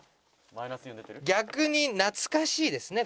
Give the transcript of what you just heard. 「逆に懐かしいですね